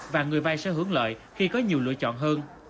và người vay sẽ hướng lợi khi có nhiều lựa chọn hơn